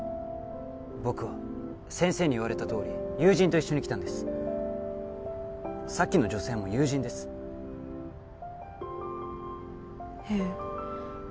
僕は先生に言われたとおり友人と一緒に来たんですさっきの女性も友人ですへえ